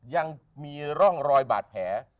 ยังมีร่องรอยบาดแผล